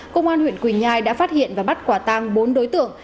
công an huyện quỳnh nhai đã phát hiện và bắt quả tăng bốn đối tượng